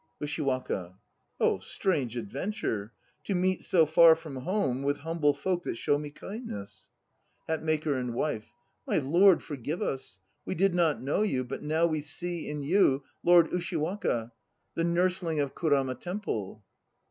USHIWAKA. Oh! strange adventure; to meet so far from home With humble folk that show me kindness! 1 Yoshi iye. EBOSHIORI 75 HATMAKER and WIFE. My Lord, forgive us! We did not know you; but now we see in you Lord Ushiwaka, the nursling of Kurama Temple.